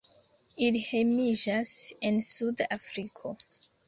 Ili hejmiĝas en Suda Afriko.